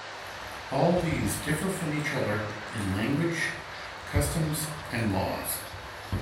All these differ from each other in language, customs and laws.